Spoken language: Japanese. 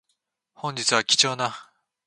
本日は貴重な